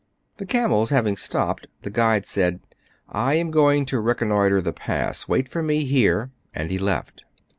The camels having stopped, the guide said, " I am going to reconnoitre the pass. Wait for me here." And he left.